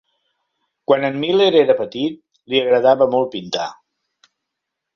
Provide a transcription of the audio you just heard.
Quan en Miler era petit, li agradava molt pintar.